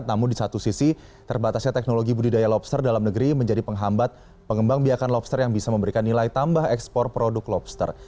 namun di satu sisi terbatasnya teknologi budidaya lobster dalam negeri menjadi penghambat pengembang biakan lobster yang bisa memberikan nilai tambah ekspor produk lobster